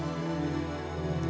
kamu cepetan pulang ya